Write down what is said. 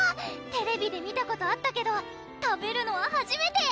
テレビで見たことあったけど食べるのははじめて！